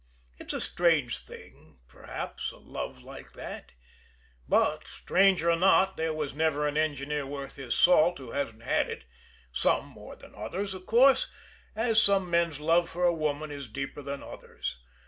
It's a strange thing, perhaps, a love like that; but, strange or not, there was never an engineer worth his salt who hasn't had it some more than others, of course as some men's love for a woman is deeper than others.